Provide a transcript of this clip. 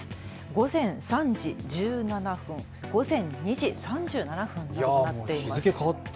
午前３時１７分、午前２時３７分となっています。